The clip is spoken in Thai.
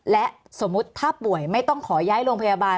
และสมมุติถ้าป่วยไม่ต้องขอย้ายโรงพยาบาล